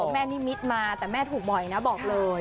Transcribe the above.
แม่นิมิตมาแต่แม่ถูกบ่อยนะบอกเลย